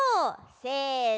せの！